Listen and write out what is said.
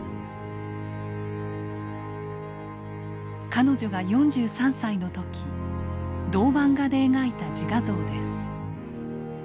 彼女が４３歳の時銅版画で描いた自画像です。